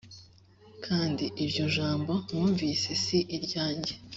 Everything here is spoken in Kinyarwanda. kandi iryo jambo mwumvise si iryanjye